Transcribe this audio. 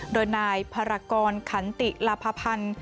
โดยนายภารกรขันติลพพันธ์